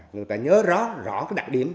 người ta nhớ rõ rõ đặc điểm